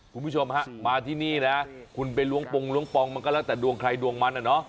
คุณผู้ชมฮะมาที่นี่นะคุณไปล้วงปงล้วงปองมันก็แล้วแต่ดวงใครดวงมันอะเนาะ